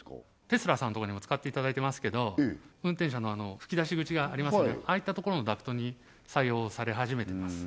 テスラさんとかにも使っていただいてますけど運転者の噴き出し口がありますよねああいったところのダクトに採用され始めてます